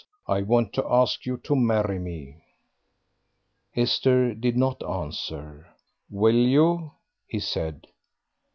I want to ask you to marry me." Esther did not answer. "Will you?" he said.